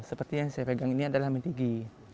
seperti yang saya pegang ini adalah mentigi